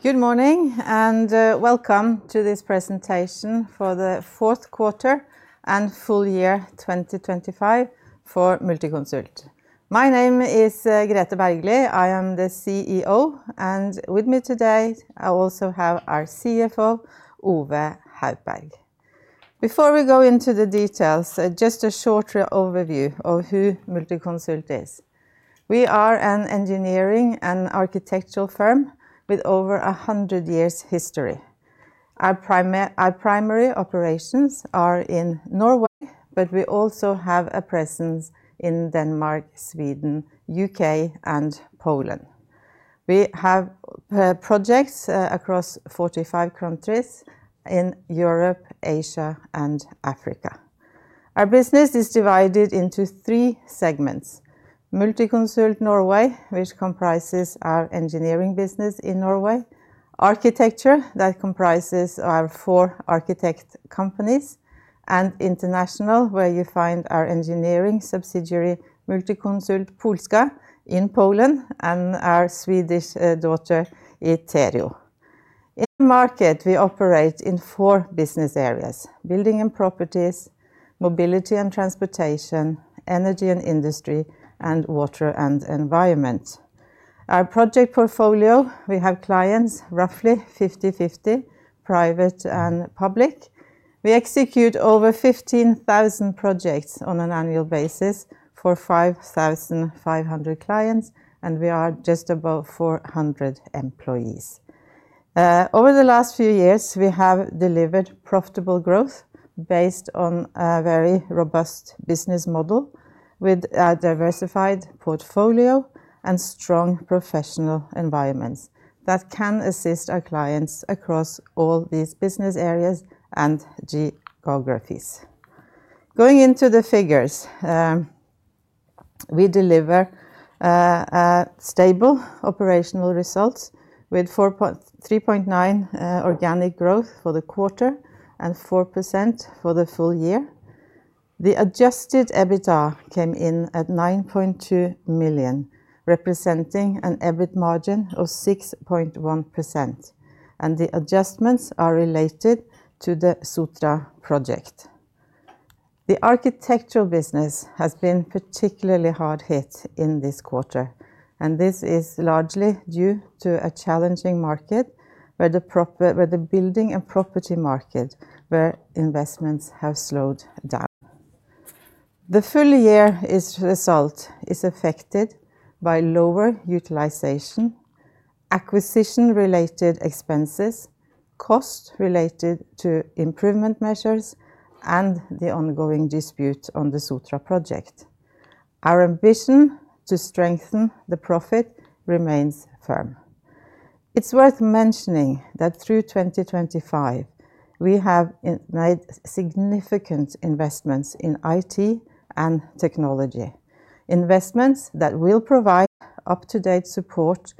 Good morning and welcome to this presentation for the fourth quarter and full year 2025 for Multiconsult. My name is Grethe Bergly, I am the CEO, and with me today I also have our CFO Ove B. Haupberg. Before we go into the details, just a short overview of who Multiconsult is. We are an engineering and architectural firm with over 100 years' history. Our primary operations are in Norway, but we also have a presence in Denmark, Sweden, the U.K., and Poland. We have projects across 45 countries in Europe, Asia, and Africa. Our business is divided into three segments: Multiconsult Norway, which comprises our engineering business in Norway; architecture, that comprises our four architect companies; and International, where you find our engineering subsidiary Multiconsult Polska in Poland and our Swedish daughter Iterio. In the market, we operate in four business areas: Buildings & Properties, Mobility & Transportation, Energy & Industry, and Water & Environment. Our project portfolio: we have clients, roughly 50/50, private and public. We execute over 15,000 projects on an annual basis for 5,500 clients, and we are just above 400 employees. Over the last few years, we have delivered profitable growth based on a very robust business model, with a diversified portfolio and strong professional environments that can assist our clients across all these business areas and geographies. Going into the figures, we deliver stable operational results with 3.9% organic growth for the quarter and 4% for the full year. The adjusted EBITDA came in at 9.2 million, representing an EBIT margin of 6.1%, and the adjustments are related to the Sotra project. The architectural business has been particularly hard hit in this quarter, and this is largely due to a challenging market where the Buildings & Properties markets, where investments have slowed down. The full year's result is affected by lower utilization, acquisition-related expenses, costs related to improvement measures, and the ongoing dispute on the Sotra project. Our ambition to strengthen the profit remains firm. It's worth mentioning that through 2025, we have made significant investments in IT and technology, investments that will provide up-to-date support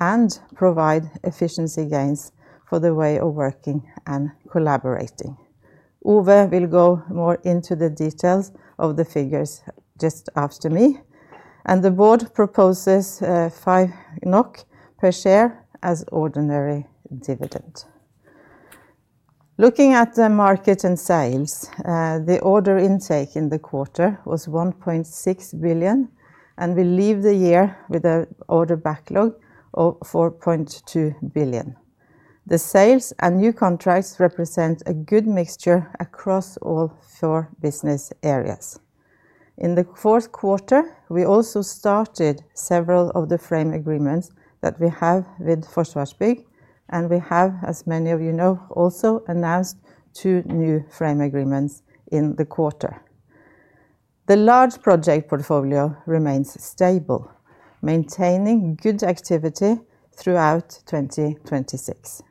and provide efficiency gains for the way of working and collaborating. Ove will go more into the details of the figures just after me, and the board proposes 5 NOK per share as ordinary dividend. Looking at the market and sales, the order intake in the quarter was 1.6 billion, and we leave the year with an order backlog of 4.2 billion. The sales and new contracts represent a good mixture across all four business areas. In the fourth quarter, we also started several of the frame agreements that we have with Forsvarsbygg, and we have, as many of you know, also announced 2 new frame agreements in the quarter. The large project portfolio remains stable, maintaining good activity throughout 2026.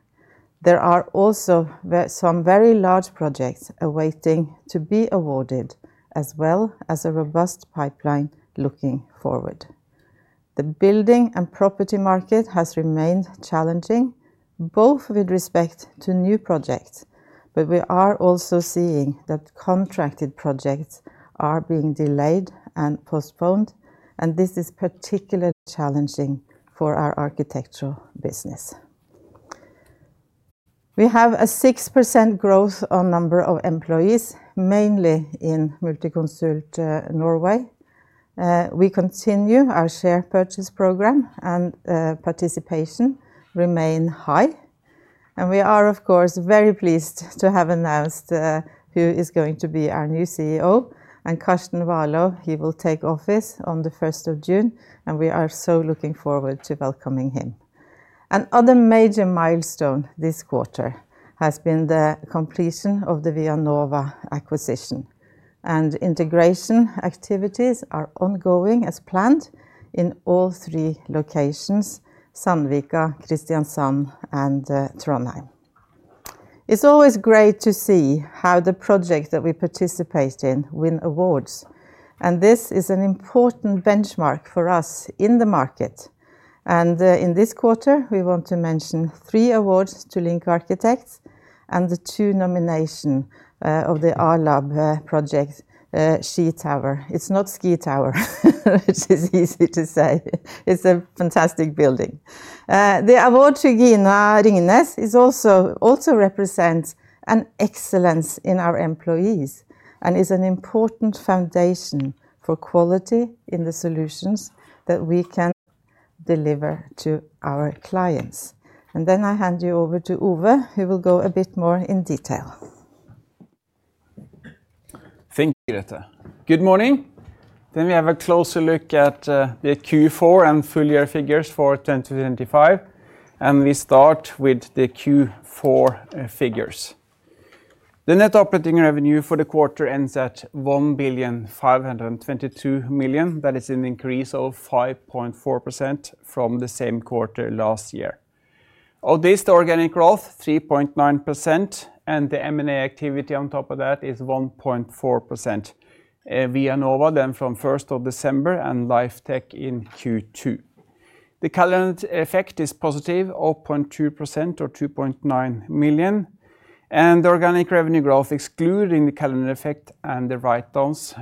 There are also some very large projects awaiting to be awarded, as well as a robust pipeline looking forward. The Buildings & Properties market has remained challenging, both with respect to new projects, but we are also seeing that contracted projects are being delayed and postponed, and this is particularly challenging for our architectural business. We have a 6% growth on the number of employees, mainly in Multiconsult Norway. We continue our share purchase program, and participation remains high. And we are, of course, very pleased to have announced who is going to be our new CEO, and Karsten Warloe, he will take office on the 1st of June, and we are so looking forward to welcoming him. Another major milestone this quarter has been the completion of the ViaNova acquisition, and integration activities are ongoing as planned in all three locations: Sandvika, Kristiansand, and Trondheim. It's always great to see how the project that we participate in win awards, and this is an important benchmark for us in the market. And in this quarter, we want to mention three awards to LINK Arkitektur and the two nominations of the A-Lab project Ski Tårn. It's not Ski Tower, which is easy to say. It's a fantastic building. The award to Gina Ringnes also represents an excellence in our employees and is an important foundation for quality in the solutions that we can deliver to our clients. And then I hand you over to Ove, who will go a bit more in detail. Thank you, Grethe. Good morning. Then we have a closer look at the Q4 and full year figures for 2025, and we start with the Q4 figures. The net operating revenue for the quarter ends at 1.522 billion. That is an increase of 5.4% from the same quarter last year. Of this, the organic growth is 3.9%, and the M&A activity on top of that is 1.4%. ViaNova, then from 1st of December, and Lifetec in Q2. The calendar effect is positive, 0.2% or 2.9 million, and the organic revenue growth excluding the calendar effect and the write-downs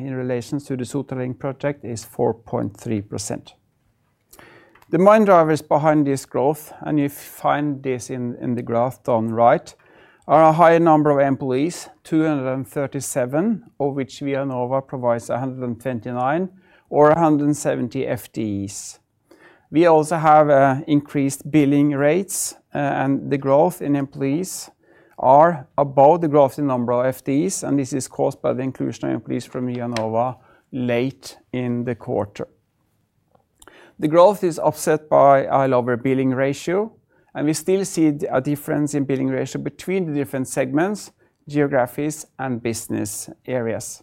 in relation to the Sotra Link project is 4.3%. The main drivers behind this growth, and you find this in the graph down right, are a higher number of employees, 237, of which ViaNova provides 129 or 170 FTEs. We also have increased billing rates, and the growth in employees is above the growth in the number of FTEs, and this is caused by the inclusion of employees from ViaNova late in the quarter. The growth is upset by a lower billing ratio, and we still see a difference in billing ratio between the different segments, geographies, and business areas.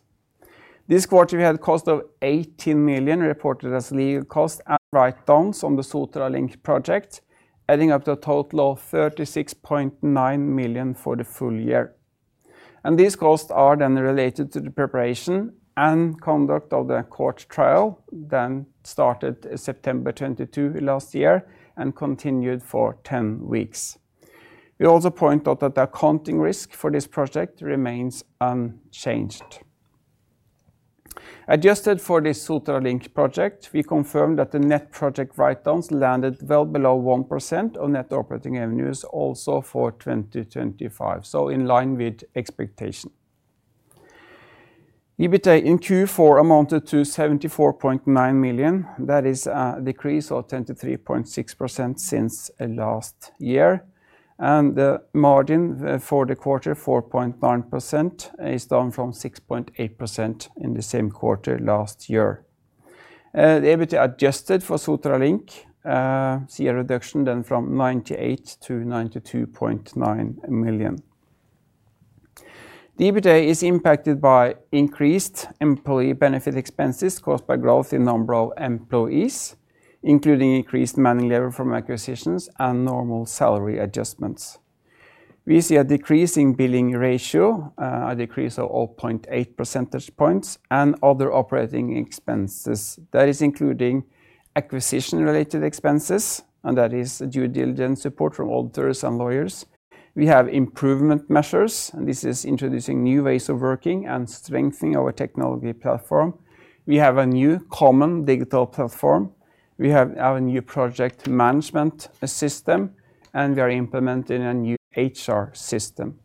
This quarter, we had a cost of 18 million reported as legal costs and write-downs on the Sotra Link project, adding up to a total of 36.9 million for the full year. And these costs are then related to the preparation and conduct of the court trial, then started September 22 last year and continued for 10 weeks. We also point out that the accounting risk for this project remains unchanged. Adjusted for this Sotra Link project, we confirmed that the net project write-downs landed well below 1% of net operating revenues also for 2025, so in line with expectation. EBITDA in Q4 amounted to 74.9 million. That is a decrease of 23.6% since last year, and the margin for the quarter, 4.9%, is down from 6.8% in the same quarter last year. The EBITDA adjusted for Sotra Link, CA reduction then from 98 million-92.9 million. The EBITDA is impacted by increased employee benefit expenses caused by growth in the number of employees, including increased manual labor from acquisitions and normal salary adjustments. We see a decrease in billing ratio, a decrease of 0.8 percentage points, and other operating expenses. That is including acquisition-related expenses, and that is due diligence support from auditors and lawyers. We have improvement measures, and this is introducing new ways of working and strengthening our technology platform. We have a new common digital platform. We have a new project management system, and we are implementing a new HR system.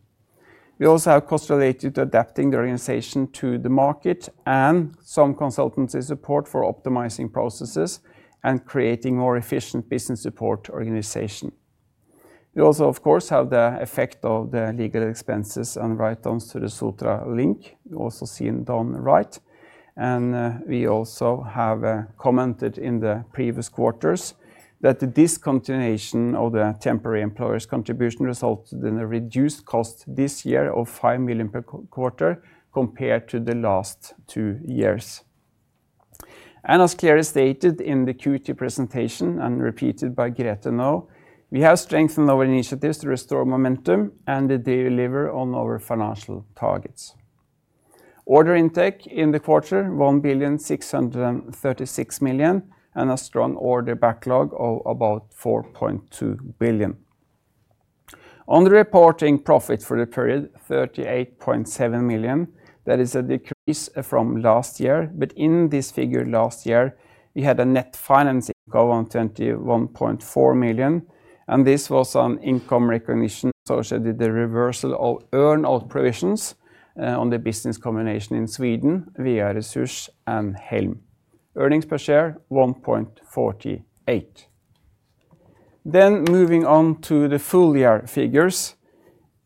We also have costs related to adapting the organization to the market and some consultancy support for optimizing processes and creating a more efficient business support organization. We also, of course, have the effect of the legal expenses and write-downs to the Sotra Link, also seen down right, and we also have commented in the previous quarters that the discontinuation of the temporary employer's contribution resulted in a reduced cost this year of 5 million per quarter compared to the last two years. As clearly stated in the Q2 presentation and repeated by Grethe now, we have strengthened our initiatives to restore momentum and to deliver on our financial targets. Order intake in the quarter, 1.636 million, and a strong order backlog of about 4.2 billion. On the reporting profit for the period, 38.7 million. That is a decrease from last year, but in this figure last year, we had a net finance income of 21.4 million, and this was an income recognition associated with the reversal of earned out provisions on the business combination in Sweden, ViaResurs and Helm. Earnings per share, 1.48. Then moving on to the full year figures,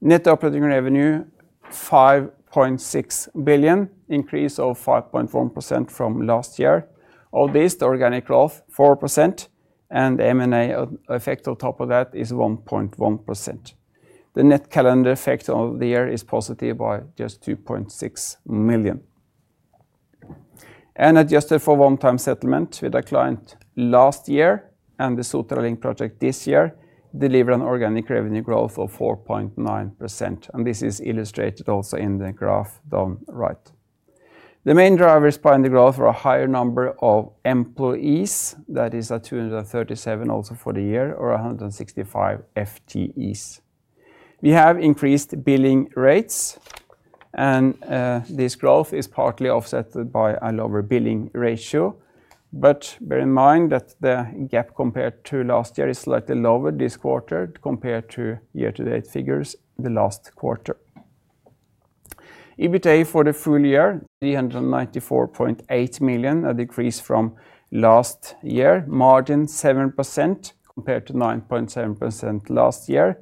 net operating revenue, 5.6 billion, increase of 5.1% from last year. Out this, the organic growth, 4%, and the M&A effect on top of that is 1.1%. The net calendar effect of the year is positive by just 2.6 million. Adjusted for one-time settlement with a client last year and the Sotra Link project this year, delivered an organic revenue growth of 4.9%, and this is illustrated also in the graph down right. The main drivers behind the growth are a higher number of employees. That is a 237 also for the year or 165 FTEs. We have increased billing rates, and this growth is partly offset by a lower billing ratio, but bear in mind that the gap compared to last year is slightly lower this quarter compared to year-to-date figures the last quarter. EBITDA for the full year, 394.8 million, a decrease from last year, margin 7% compared to 9.7% last year,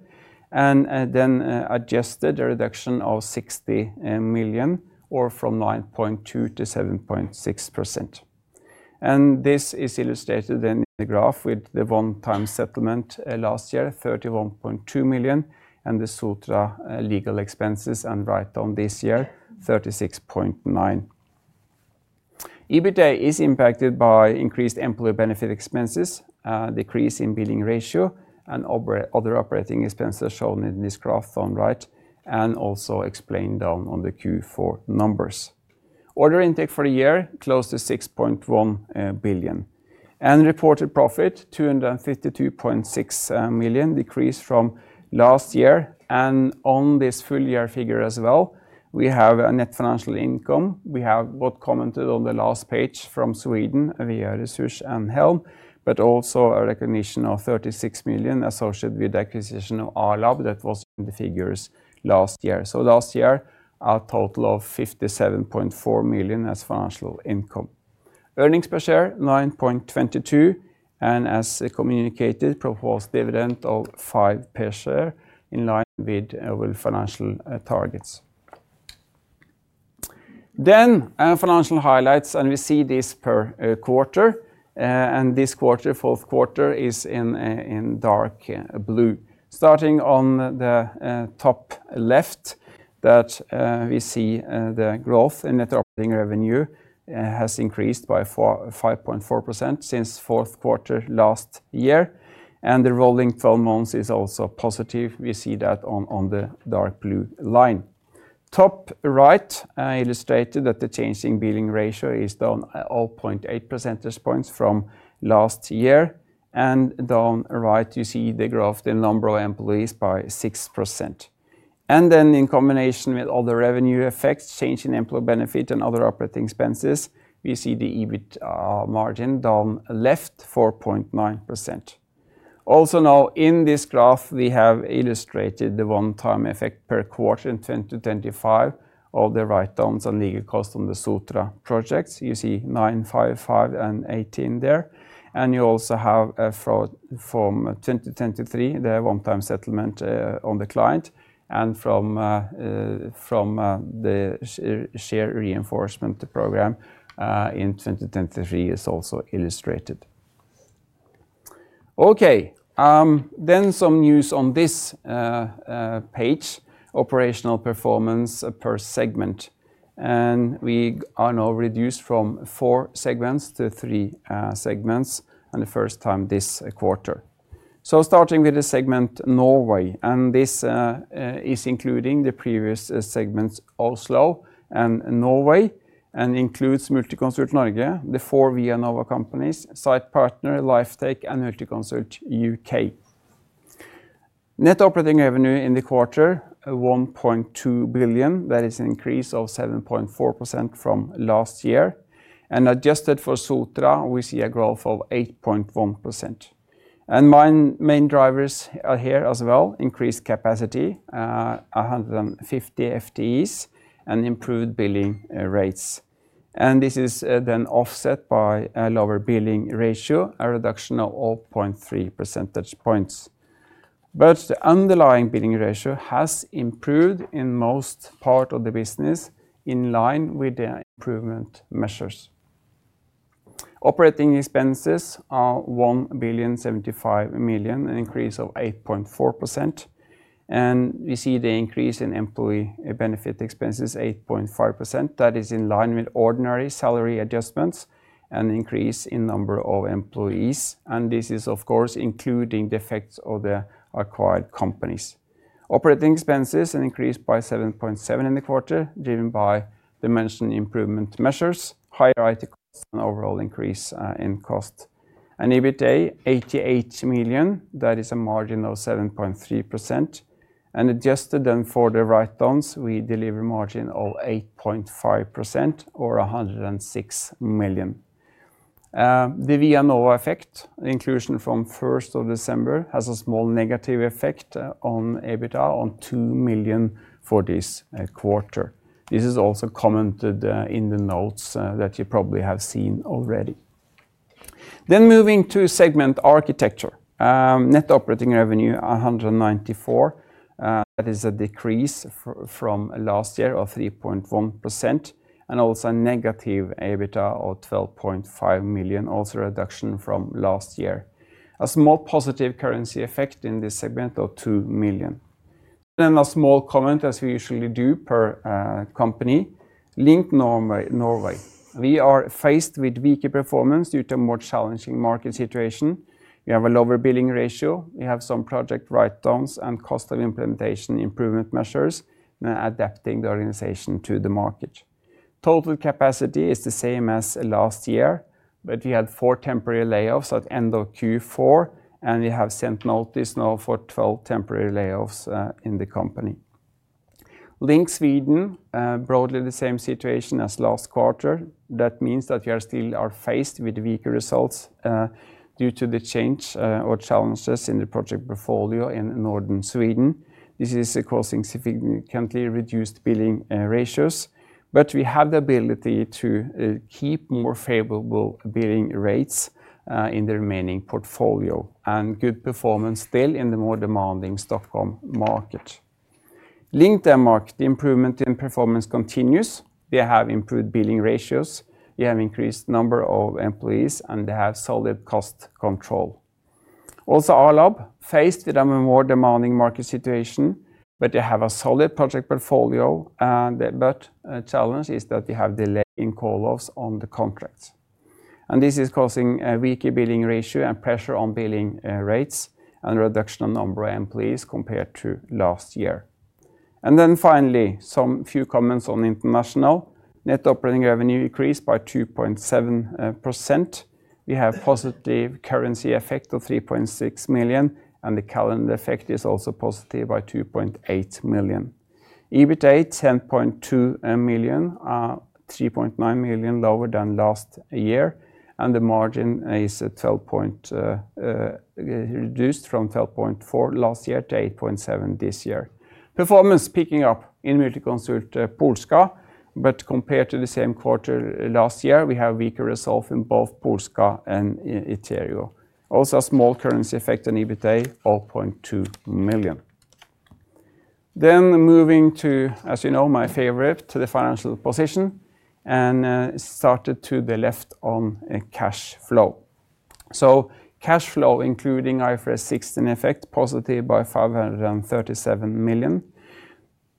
and then adjusted a reduction of 60 million or from 9.2% to 7.6%. This is illustrated then in the graph with the one-time settlement last year, 31.2 million, and the Sotra legal expenses and write-down this year, 36.9 million. EBITDA is impacted by increased employee benefit expenses, a decrease in billing ratio, and other operating expenses shown in this graph lower right and also explained down on the Q4 numbers. Order intake for the year, close to 6.1 billion, and reported profit, 252.6 million, decrease from last year, and on this full year figure as well, we have a net financial income. We have, as commented on the last page from Sweden, ViaResurs and Helm, but also a recognition of 36 million associated with the acquisition of A-Lab that was in the figures last year. So last year, a total of 57.4 million as financial income. Earnings per share, 9.22, and as communicated, proposed dividend of 5 per share in line with overall financial targets. Then financial highlights, and we see this per quarter, and this quarter, fourth quarter, is in dark blue. Starting on the top left, we see the growth in net operating revenue has increased by 5.4% since fourth quarter last year, and the rolling 12 months is also positive. We see that on the dark blue line. Top right illustrated that the changing billing ratio is down 0.8 percentage points from last year, and down right you see the growth in the number of employees by 6%. And then in combination with other revenue effects, change in employee benefit and other operating expenses, we see the EBITDA margin down left, 4.9%. Also now in this graph, we have illustrated the one-time effect per quarter in 2025 of the write-downs and legal costs on the Sotra projects. You see 955 and 18 there, and you also have from 2023, the one-time settlement on the client, and from the share reinforcement program in 2023 is also illustrated. Okay, then some news on this page, operational performance per segment, and we are now reduced from four segments to three segments and the first time this quarter. So starting with the segment Norway, and this is including the previous segments, Oslo and Norway, and includes Multiconsult Norge, the four ViaNova companies, Sitepartner, Lifetec and Multiconsult U.K. Net operating revenue in the quarter, 1.2 billion. That is an increase of 7.4% from last year, and adjusted for Sotra, we see a growth of 8.1%. My main drivers are here as well, increased capacity, 150 FTEs, and improved billing rates. This is then offset by a lower billing ratio, a reduction of 0.3 percentage points. But the underlying billing ratio has improved in most parts of the business in line with the improvement measures. Operating expenses are 1.075 billion, an increase of 8.4%, and we see the increase in employee benefit expenses, 8.5%. That is in line with ordinary salary adjustments and an increase in the number of employees, and this is of course including the effects of the acquired companies. Operating expenses have increased by 7.7% in the quarter driven by the mentioned improvement measures, higher IT costs, and overall increase in cost. EBITDA, 88 million. That is a margin of 7.3%, and adjusted then for the write-downs, we deliver a margin of 8.5% or 106 million. The ViaNova effect, inclusion from 1st of December, has a small negative effect on EBITDA of 2 million for this quarter. This is also commented in the notes that you probably have seen already. Then moving to segment Architecture, net operating revenue, 194 million. That is a decrease from last year of 3.1% and also a negative EBITDA of 12.5 million, also a reduction from last year. A small positive currency effect in this segment of 2 million. Then a small comment, as we usually do per company, LINK Norway. We are faced with weaker performance due to a more challenging market situation. We have a lower billing ratio. We have some project write-downs and cost of implementation improvement measures adapting the organization to the market. Total capacity is the same as last year, but we had 4 temporary layoffs at the end of Q4, and we have sent notice now for 12 temporary layoffs in the company. LINK Sweden, broadly the same situation as last quarter. That means that we are still faced with weaker results due to the change or challenges in the project portfolio in northern Sweden. This is causing significantly reduced billing ratios, but we have the ability to keep more favorable billing rates in the remaining portfolio and good performance still in the more demanding Stockholm market. LINK Denmark, the improvement in performance continues. They have improved billing ratios. They have increased the number of employees, and they have solid cost control. Also, A-Lab, faced with a more demanding market situation, but they have a solid project portfolio, but the challenge is that they have delayed in call-offs on the contracts. And this is causing a weaker billing ratio and pressure on billing rates and a reduction in the number of employees compared to last year. And then finally, some few comments on International. Net operating revenue increased by 2.7%. We have a positive currency effect of 3.6 million, and the calendar effect is also positive by 2.8 million. EBITDA, 10.2 million, are 3.9 million lower than last year, and the margin is reduced from 12.4% last year to 8.7% this year. Performance picking up in Multiconsult Polska, but compared to the same quarter last year, we have weaker results in both Polska and Iterio. Also, a small currency effect on EBITDA, 0.2 million. Then moving to, as you know, my favorite, to the financial position and started to the left on cash flow. So cash flow, including IFRS 16 effect, positive by 537 million.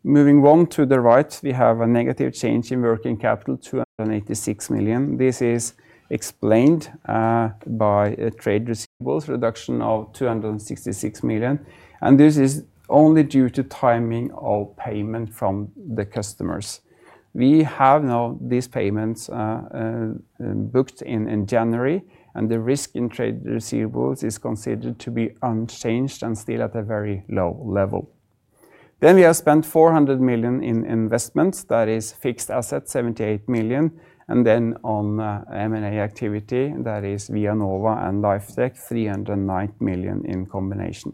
Moving on to the right, we have a negative change in working capital, 286 million. This is explained by trade receivables reduction of 266 million, and this is only due to timing of payment from the customers. We have now these payments booked in in January, and the risk in trade receivables is considered to be unchanged and still at a very low level. Then we have spent 400 million in investments. That is fixed assets, 78 million, and then on M&A activity. That is ViaNova and Lifetec, 309 million in combination.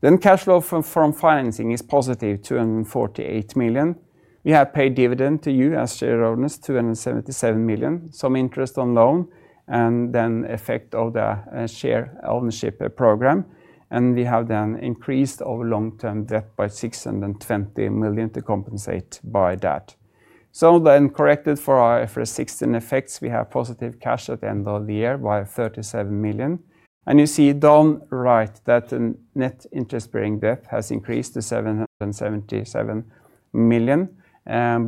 Then cash flow from financing is positive, 248 million. We have paid dividend to you as shareholders, 277 million, some interest on loan, and then effect of the share ownership program, and we have then increased over long-term debt by 620 million to compensate by that. So then corrected for IFRS 16 effects, we have positive cash at the end of the year by 37 million, and you see down right that the net interest bearing debt has increased to 777 million,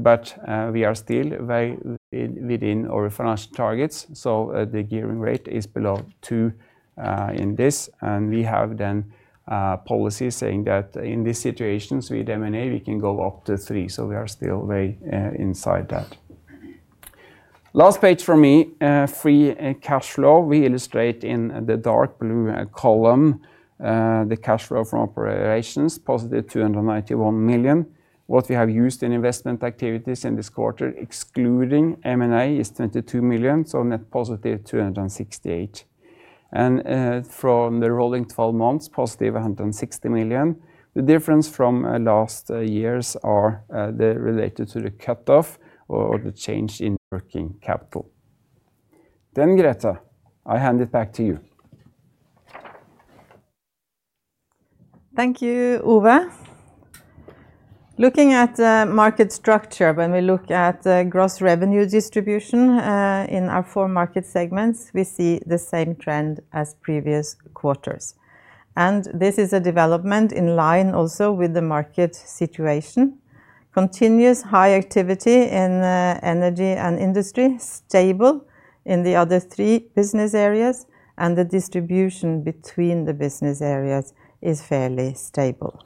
but we are still very within our financial targets, so the gearing rate is below two in this, and we have then policies saying that in these situations with M&A, we can go up to three, so we are still very inside that. Last page for me, free cash flow. We illustrate in the dark blue column the cash flow from operations, positive 291 million. What we have used in investment activities in this quarter, excluding M&A, is 22 million, so net positive 268 million, and from the rolling 12 months, positive 160 million. The difference from last years are related to the cutoff or the change in working capital. Then, Grethe, I hand it back to you. Thank you, Ove. Looking at market structure, when we look at gross revenue distribution in our four market segments, we see the same trend as previous quarters, and this is a development in line also with the market situation. Continuous high activity in Energy & Industry, stable in the other three business areas, and the distribution between the business areas is fairly stable.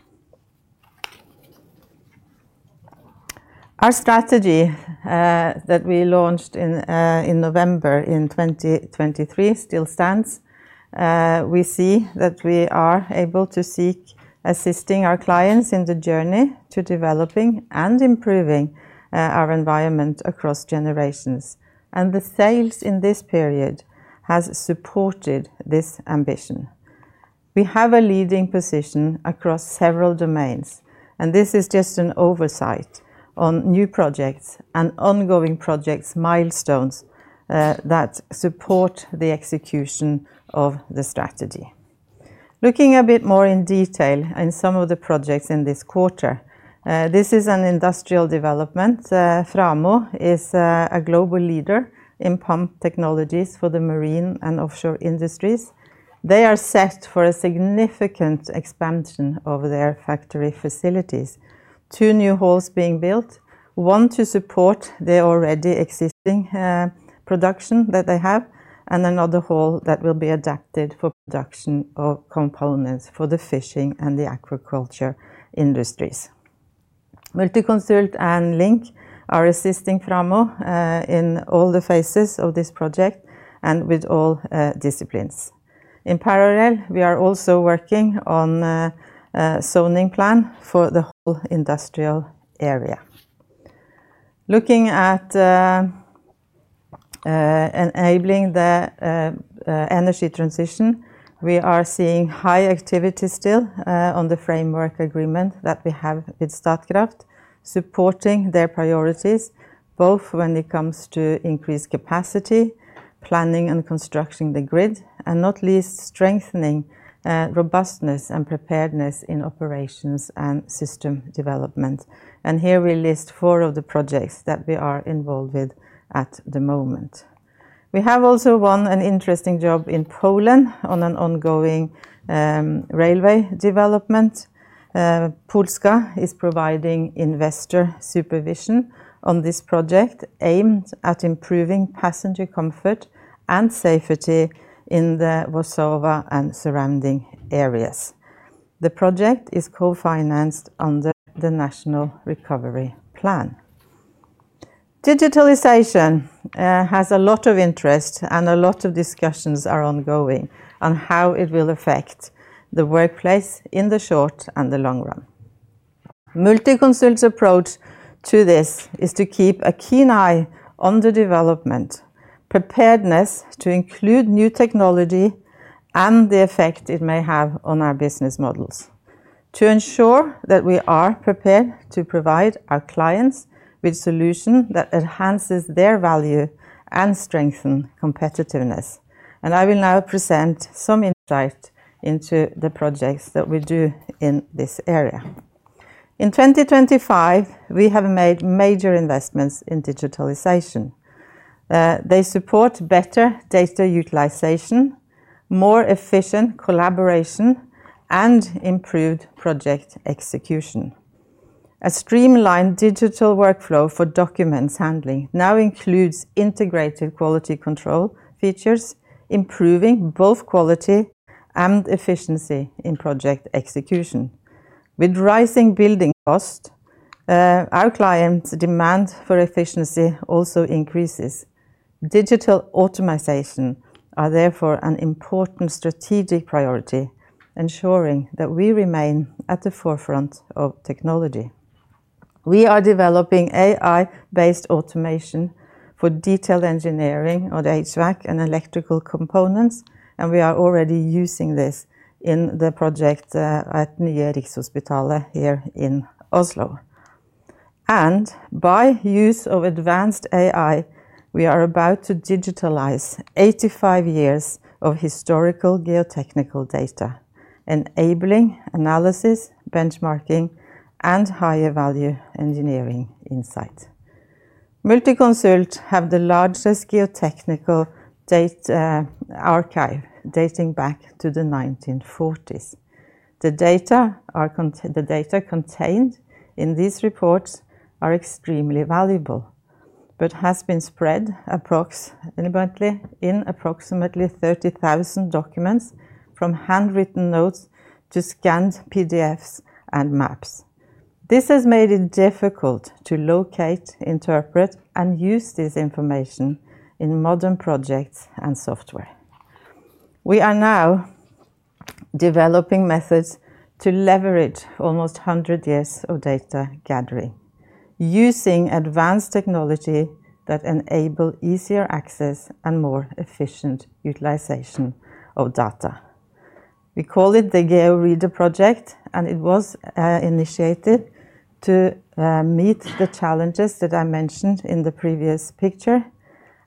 Our strategy, that we launched in, in November in 2023 still stands. We see that we are able to seek assisting our clients in the journey to developing and improving, our environment across generations, and the sales in this period have supported this ambition. We have a leading position across several domains, and this is just an oversight on new projects and ongoing projects milestones, that support the execution of the strategy. Looking a bit more in detail in some of the projects in this quarter, this is an industrial development. Framo is a global leader in pump technologies for the marine and offshore industries. They are set for a significant expansion of their factory facilities. Two new halls are being built, one to support the already existing, production that they have, and another hall that will be adapted for production of components for the fishing and the aquaculture industries. Multiconsult and LINK are assisting Framo in all the phases of this project and with all disciplines. In parallel, we are also working on a zoning plan for the whole industrial area. Looking at enabling the energy transition, we are seeing high activity still on the framework agreement that we have with Statkraft, supporting their priorities both when it comes to increased capacity, planning and constructing the grid, and not least strengthening robustness and preparedness in operations and system development. Here we list four of the projects that we are involved with at the moment. We have also won an interesting job in Poland on an ongoing railway development. Multiconsult Polska is providing investor supervision on this project aimed at improving passenger comfort and safety in the Warsaw and surrounding areas. The project is co-financed under the National Recovery Plan. Digitalization has a lot of interest, and a lot of discussions are ongoing on how it will affect the workplace in the short and the long run. Multiconsult's approach to this is to keep a keen eye on the development, preparedness to include new technology, and the effect it may have on our business models, to ensure that we are prepared to provide our clients with solutions that enhance their value and strengthen competitiveness. I will now present some insight into the projects that we do in this area. In 2025, we have made major investments in digitalization. They support better data utilization, more efficient collaboration, and improved project execution. A streamlined digital workflow for documents handling now includes integrated quality control features, improving both quality and efficiency in project execution. With rising building costs, our clients' demand for efficiency also increases. Digital automation is therefore an important strategic priority, ensuring that we remain at the forefront of technology. We are developing AI-based automation for detailed engineering of the HVAC and electrical components, and we are already using this in the project at Nye Rikshospitalet here in Oslo. By use of advanced AI, we are about to digitize 85 years of historical geotechnical data, enabling analysis, benchmarking, and higher value engineering insights. Multiconsult has the largest geotechnical data archive dating back to the 1940s. The data contained in these reports is extremely valuable but has been spread in approximately 30,000 documents, from handwritten notes to scanned PDFs and maps. This has made it difficult to locate, interpret, and use this information in modern projects and software. We are now developing methods to leverage almost 100 years of data gathering, using advanced technology that enables easier access and more efficient utilization of data. We call it the GeoReader project, and it was initiated to meet the challenges that I mentioned in the previous picture,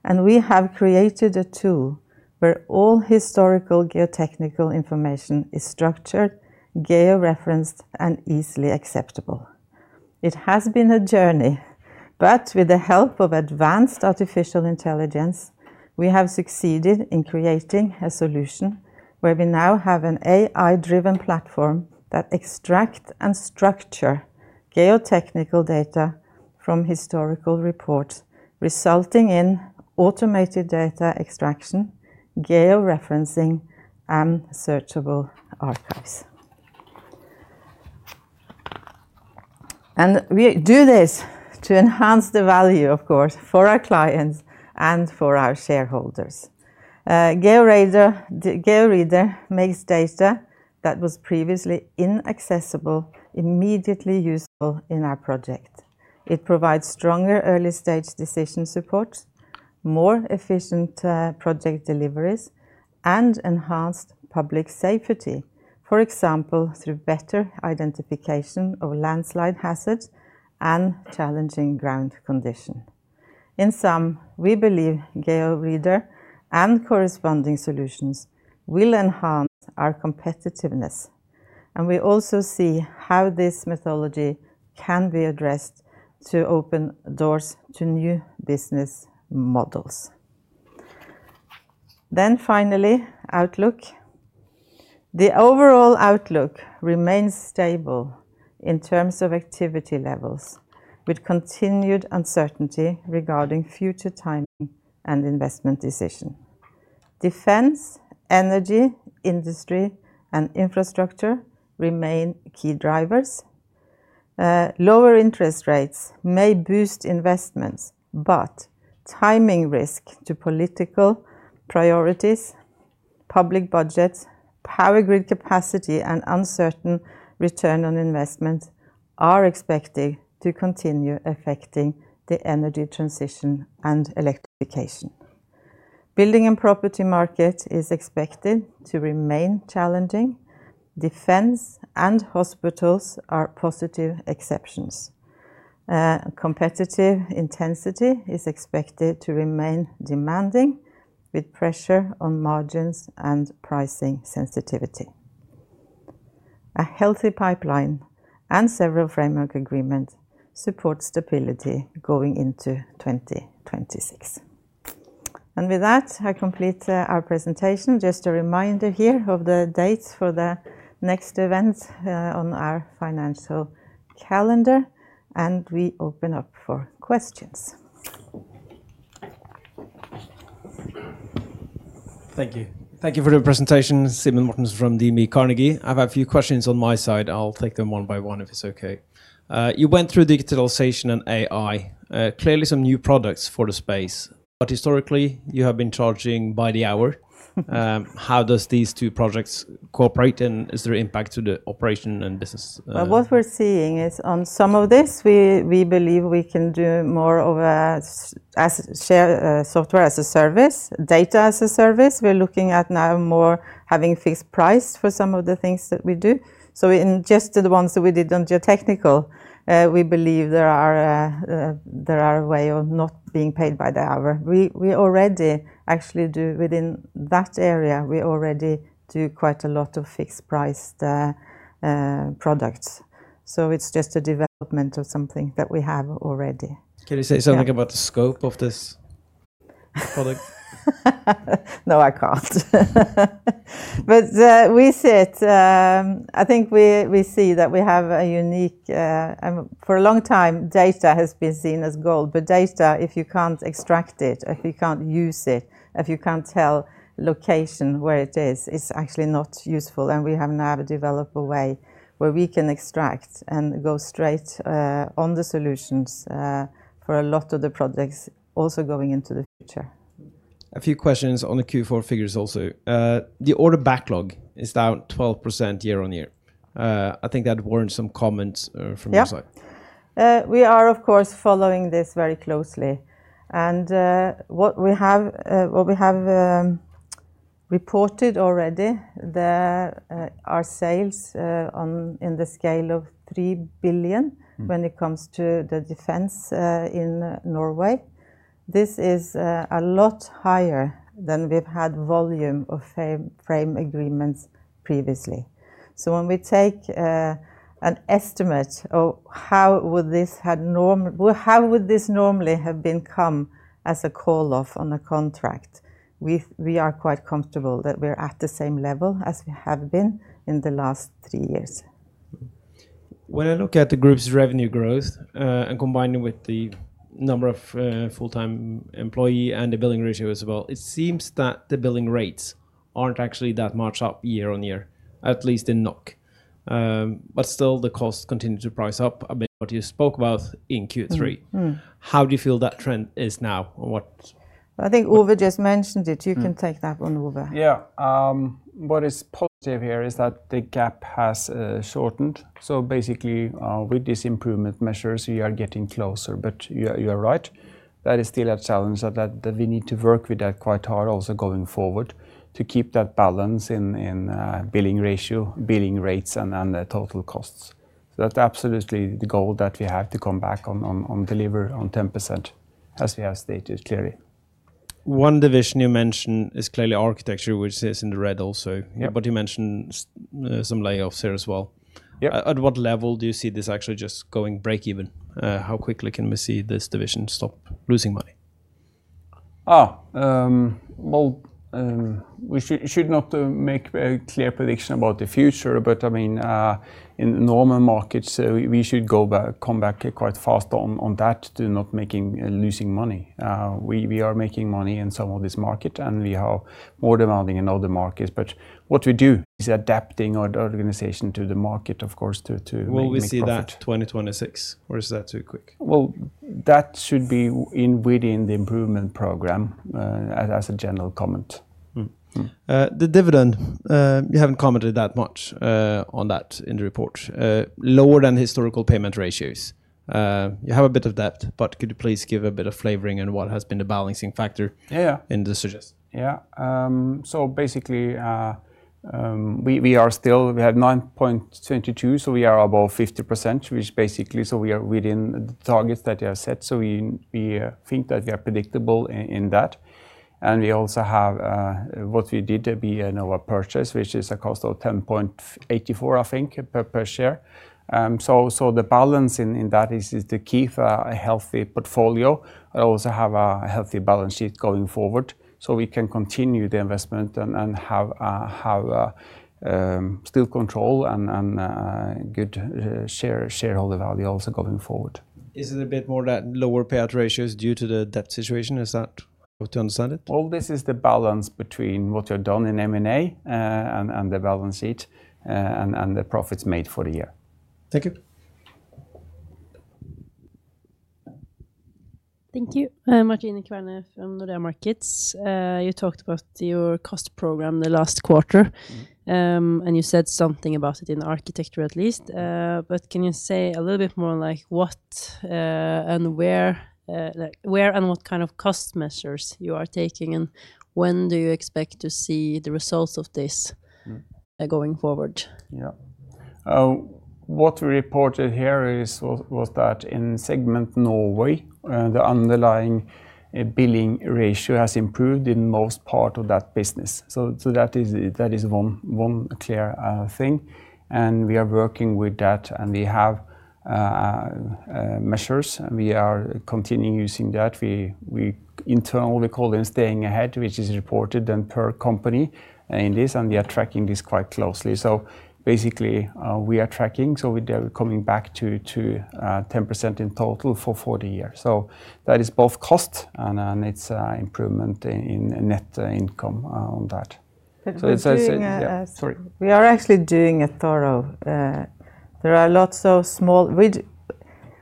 and we have created a tool where all historical geotechnical information is structured, geo-referenced, and easily accessible. It has been a journey, but with the help of advanced artificial intelligence, we have succeeded in creating a solution where we now have an AI-driven platform that extracts and structures geotechnical data from historical reports, resulting in automated data extraction, geo-referencing, and searchable archives. We do this to enhance the value, of course, for our clients and for our shareholders. GeoReader makes data that was previously inaccessible immediately usable in our project. It provides stronger early-stage decision support, more efficient project deliveries, and enhanced public safety, for example, through better identification of landslide hazards and challenging ground conditions. In sum, we believe GeoReader and corresponding solutions will enhance our competitiveness, and we also see how this methodology can be addressed to open doors to new business models. Then finally, outlook. The overall outlook remains stable in terms of activity levels with continued uncertainty regarding future timing and investment decisions. Defense, energy, industry, and infrastructure remain key drivers. Lower interest rates may boost investments, but timing risk to political priorities, public budgets, power grid capacity, and uncertain return on investment are expected to continue affecting the energy transition and electrification. Buildings & Properties markets are expected to remain challenging. Defense and hospitals are positive exceptions. Competitive intensity is expected to remain demanding with pressure on margins and pricing sensitivity. A healthy pipeline and several framework agreements support stability going into 2026. And with that, I complete our presentation. Just a reminder here of the dates for the next event on our financial calendar, and we open up for questions. Thank you. Thank you for the presentation, Simen Mortensen from DNB Markets. I've had a few questions on my side. I'll take them one by one if it's okay. You went through digitization and AI, clearly some new products for the space, but historically, you have been charging by the hour. How do these two projects cooperate, and is there an impact to the operation and business? What we're seeing is on some of this, we believe we can do more of a software as a service, data as a service. We're looking at now more having fixed price for some of the things that we do. So in just the ones that we did on geotechnical, we believe there is a way of not being paid by the hour. We already actually do within that area, we already do quite a lot of fixed-priced products. So it's just a development of something that we have already. Can you say something about the scope of this product? No, I can't. But we see it. I think we see that we have a unique for a long time, data has been seen as gold, but data, if you can't extract it, if you can't use it, if you can't tell location where it is, it's actually not useful, and we have now a developable way where we can extract and go straight on the solutions for a lot of the projects also going into the future. A few questions on the Q4 figures also. The order backlog is down 12% year-over-year. I think that warrants some comments from your side. Yeah. We are, of course, following this very closely. And what we have reported already, our sales in the scale of 3 billion when it comes to the defense in Norway, this is a lot higher than we've had volume of frame agreements previously. So when we take an estimate of how would this normally have come as a call-off on a contract, we are quite comfortable that we're at the same level as we have been in the last three years. When I look at the group's revenue growth and combine it with the number of full-time employees and the billing ratio as well, it seems that the billing rates aren't actually that much up year-over-year, at least in NOK. But still, the costs continue to price up a bit, what you spoke about in Q3. How do you feel that trend is now? I think Ove just mentioned it. You can take that on, Ove. Yeah. What is positive here is that the gap has shortened. So basically, with these improvement measures, we are getting closer, but you are right. That is still a challenge that we need to work with that quite hard also going forward to keep that balance in billing rates, and the total costs. So that's absolutely the goal that we have to come back on deliver on 10% as we have stated clearly. One division you mentioned is clearly Architecture, which is in the red also, but you mentioned some layoffs here as well. At what level do you see this actually just going break-even? How quickly can we see this division stop losing money? Well, we should not make a clear prediction about the future, but I mean, in normal markets, we should come back quite fast on that to not making losing money. We are making money in some of this market, and we have more demanding in other markets, but what we do is adapting our organization to the market, of course, to make more profit. Will we see that in 2026, or is that too quick? Well, that should be within the improvement program as a general comment. The dividend, you haven't commented that much on that in the report. Lower than historical payment ratios. You have a bit of that, but could you please give a bit of flavoring on what has been the balancing factor in the suggestion? Yeah. So basically, we still have 9.22, so we are above 50%, which basically so we are within the targets that you have set, so we think that we are predictable in that. And we also have what we did, the ViaNova purchase, which is a cost of 10.84, I think, per share. So the balance in that is the key for a healthy portfolio. I also have a healthy balance sheet going forward so we can continue the investment and have still control and good shareholder value also going forward. Is it a bit more that lower payout ratios due to the debt situation? Is that how to understand it? All this is the balance between what you've done in M&A and the balance sheet and the profits made for the year. Thank you. Thank you. Martine Kverne from Nordea Markets. You talked about your cost program the last quarter, and you said something about it in Architecture at least. But can you say a little bit more like what and where and what kind of cost measures you are taking, and when do you expect to see the results of this going forward? Yeah. What we reported here was that in segment Norway, the underlying billing ratio has improved in most part of that business. So that is one clear thing. And we are working with that, and we have measures, and we are continuing using that. Internally, we call it staying ahead, which is reported then per company in this, and we are tracking this quite closely. So basically, we are tracking, so we are coming back to 10% in total for 40 years. So that is both cost, and it's an improvement in net income on that. So, it's actually. Yeah. Sorry. We are actually doing a thorough. There are lots of small.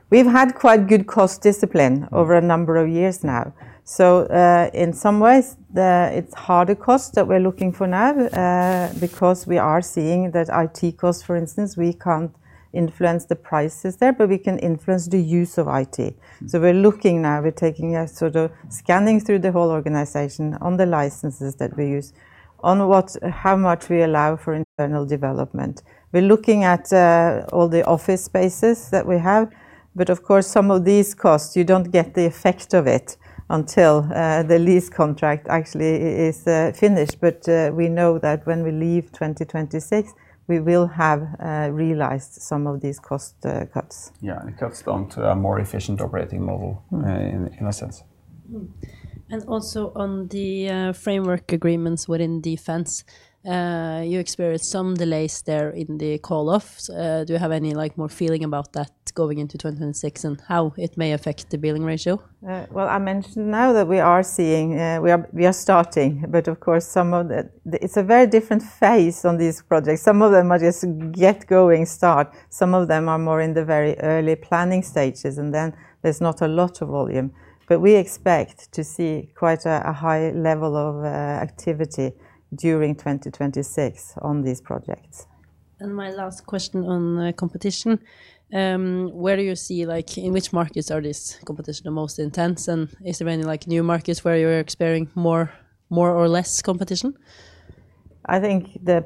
We've had quite good cost discipline over a number of years now. So, in some ways, it's harder costs that we're looking for now because we are seeing that IT costs, for instance, we can't influence the prices there, but we can influence the use of IT. So, we're looking now. We're taking a sort of scanning through the whole organization on the licenses that we use, on how much we allow for internal development. We're looking at all the office spaces that we have, but of course, some of these costs, you don't get the effect of it until the lease contract actually is finished, but we know that when we leave 2026, we will have realized some of these cost cuts. Yeah. It cuts down to a more efficient operating model in a sense. And also on the framework agreements within defense, you experienced some delays there in the call-off. Do you have any more feeling about that going into 2026 and how it may affect the billing ratio? Well, I mentioned now that we are seeing we are starting, but of course, some of it's a very different phase on these projects. Some of them are just get-going start. Some of them are more in the very early planning stages, and then there's not a lot of volume. But we expect to see quite a high level of activity during 2026 on these projects. And my last question on competition. Where do you see in which markets are this competition the most intense, and is there any new markets where you're experiencing more or less competition? I think the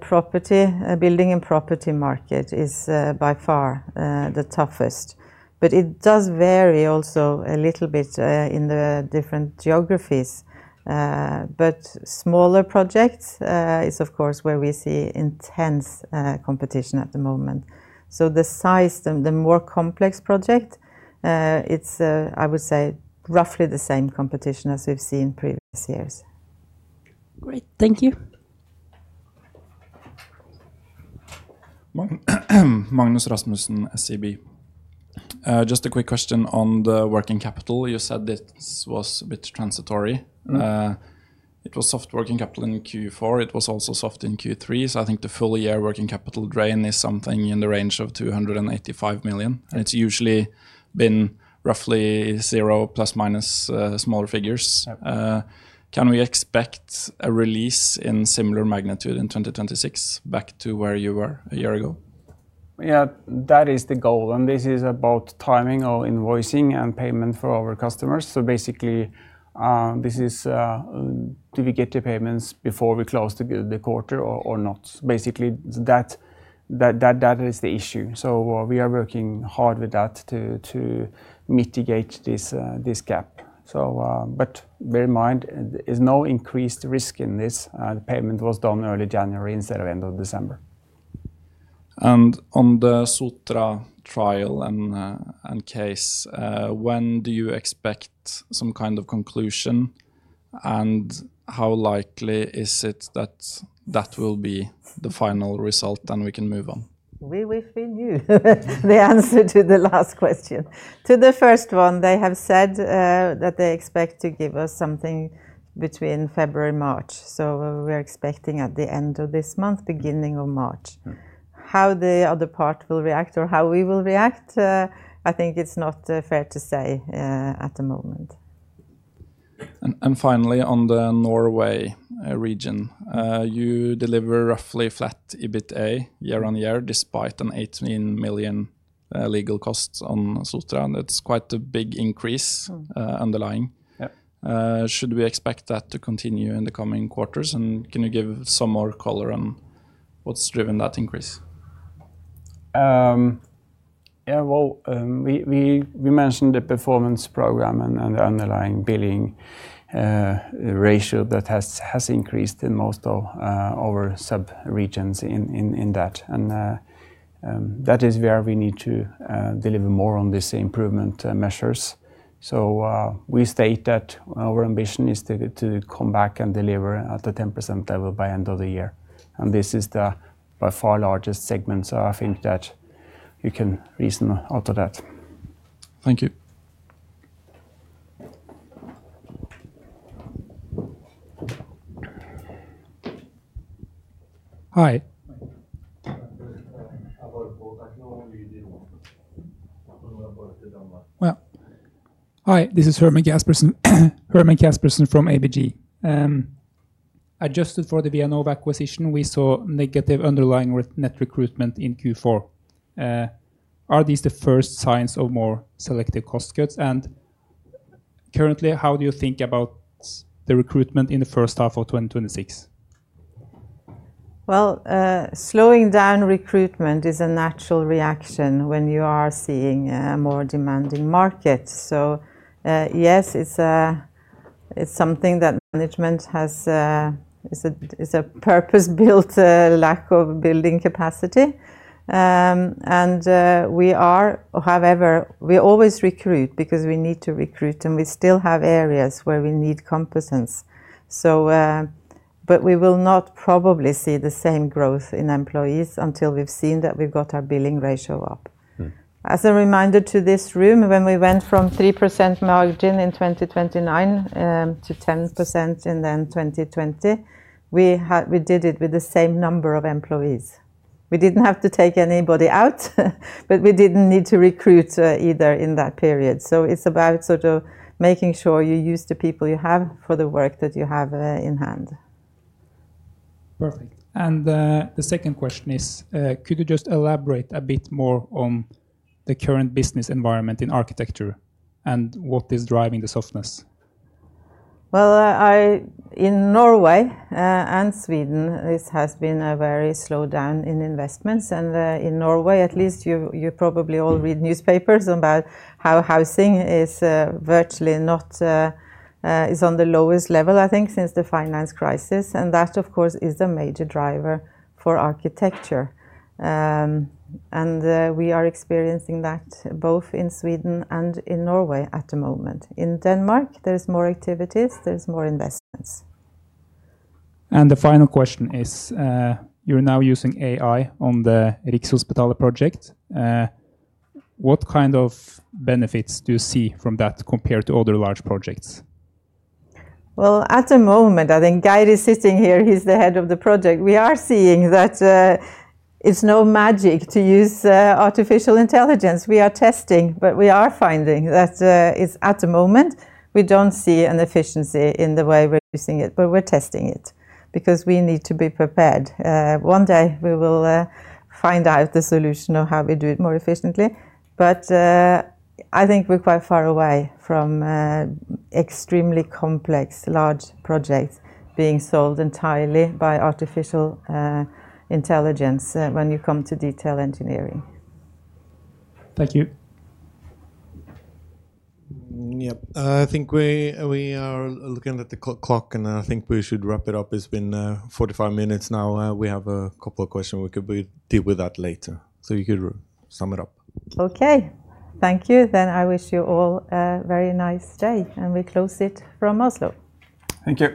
Buildings & Properties market is by far the toughest, but it does vary also a little bit in the different geographies. But smaller projects is, of course, where we see intense competition at the moment. So the size, the more complex project, it's, I would say, roughly the same competition as we've seen previous years. Great. Thank you. Magnus Rasmussen, SEB. Just a quick question on the working capital. You said this was a bit transitory. It was soft working capital in Q4. It was also soft in Q3. So I think the full-year working capital drain is something in the range of 285 million, and it's usually been roughly zero ± smaller figures. Can we expect a release in similar magnitude in 2026 back to where you were a year ago? Yeah. That is the goal, and this is about timing of invoicing and payment for our customers. So basically, do we get the payments before we close the quarter or not? Basically, that is the issue. So we are working hard with that to mitigate this gap. But bear in mind, there's no increased risk in this. The payment was done early January instead of end of December. And on the Sotra trial and case, when do you expect some kind of conclusion, and how likely is it that that will be the final result, and we can move on? We've been you, the answer to the last question. To the first one, they have said that they expect to give us something between February and March. So we're expecting at the end of this month, beginning of March. How the other part will react or how we will react, I think it's not fair to say at the moment. And finally, on the Norway region, you deliver roughly flat EBITDA year-over-year despite a 18 million legal cost on Sotra. That's quite a big increase underlying. Should we expect that to continue in the coming quarters, and can you give some more color on what's driven that increase? Yeah. Well, we mentioned the performance program and the underlying billing ratio that has increased in most of our subregions in that. And that is where we need to deliver more on these improvement measures. So we state that our ambition is to come back and deliver at the 10% level by end of the year. And this is the by far largest segment, so I think that you can reason out of that. Thank you. Hi. Hi. This is Herman Caspersen from ABG. Adjusted for the ViaNova acquisition, we saw negative underlying net recruitment in Q4. Are these the first signs of more selective cost cuts? And currently, how do you think about the recruitment in the first half of 2026? Well, slowing down recruitment is a natural reaction when you are seeing a more demanding market. So yes, it's something that management has. It's a purpose-built lack of building capacity. And we are, however, we always recruit because we need to recruit, and we still have areas where we need competence. But we will not probably see the same growth in employees until we've seen that we've got our billing ratio up. As a reminder to this room, when we went from 3% margin in 2029 to 10% in then 2020, we did it with the same number of employees. We didn't have to take anybody out, but we didn't need to recruit either in that period. So it's about sort of making sure you use the people you have for the work that you have in hand. Perfect. And the second question is, could you just elaborate a bit more on the current business environment in Architecture and what is driving the softness? Well, in Norway and Sweden, this has been a very slowdown in investments. And in Norway, at least, you probably all read newspapers about how housing is virtually not is on the lowest level, I think, since the financial crisis. And that, of course, is a major driver for Architecture. And we are experiencing that both in Sweden and in Norway at the moment. In Denmark, there's more activities. There's more investments. And the final question is, you're now using AI on the Rikshospitalet project. What kind of benefits do you see from that compared to other large projects? Well, at the moment, I think Geir is sitting here. He's the head of the project. We are seeing that it's no magic to use artificial intelligence. We are testing, but we are finding that at the moment, we don't see an efficiency in the way we're using it, but we're testing it because we need to be prepared. One day, we will find out the solution of how we do it more efficiently. But I think we're quite far away from extremely complex, large projects being sold entirely by artificial intelligence when you come to detail engineering. Thank you. Yeah. I think we are looking at the clock, and I think we should wrap it up. It's been 45 minutes now. We have a couple of questions. We could deal with that later. So you could sum it up. Okay. Thank you. Then I wish you all a very nice day, and we close it from Oslo. Thank you.